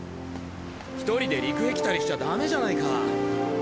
１人で陸へ来たりしちゃダメじゃないか。